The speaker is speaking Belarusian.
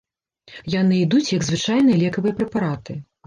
Яны ідуць як звычайныя лекавыя прэпараты.